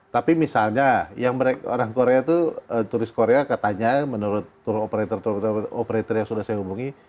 tapi misalnya yang orang korea itu turis korea katanya menurut tour operator operator yang sudah saya hubungi